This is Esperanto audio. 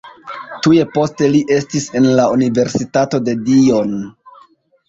Tuj poste li estis en la Universitato de Dijon.